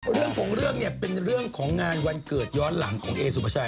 เพราะเรื่องเป็นเรื่องของงานวันเกิดย้อนหลักของเอสุพัรชัย